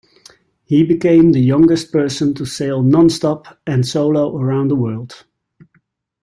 He became the youngest person to sail non-stop and solo around the world.